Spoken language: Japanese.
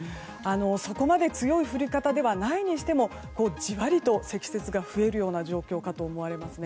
そこまで強い降り方ではないにしてもジワリと積雪が増えるような状況かと思われますね。